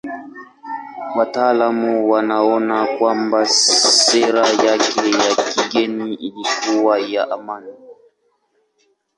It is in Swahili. Wataalamu wanaona kwamba sera yake ya kigeni ilikuwa ya amani.